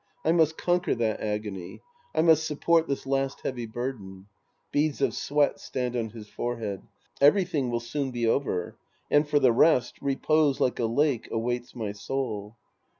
I must conquer that agony. I must support this last heavy burden. {Beads of S7veat stand on his forehead.) Everything will soon be over. And for the rest, repose like a lake awaits my soul.